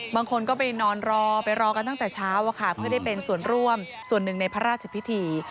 บางคนก็ไปนอนรอไปรอกันตั้งแต่เช้าเพื่อได้เป็นส่วนร่วมส่วนหนึ่งในพระราชพิธี